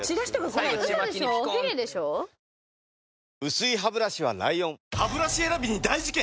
薄いハブラシは ＬＩＯＮハブラシ選びに大事件！